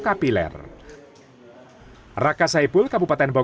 maksimal beribadah kepada umumnya